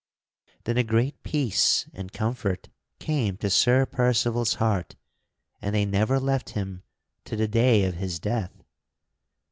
Then a great peace and comfort came to Sir Percival's heart and they never left him to the day of his death.